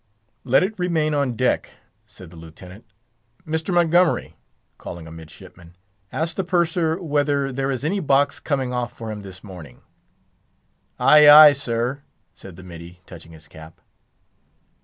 "Let it remain on deck," said the Lieutenant. "Mr. Montgomery!" calling a midshipman, "ask the Purser whether there is any box coming off for him this morning." "Ay, ay, sir," said the middy, touching his cap.